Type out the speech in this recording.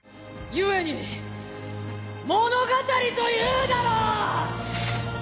故に物語というだろう！